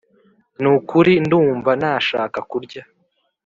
Nukuri ndumva nashaka kurya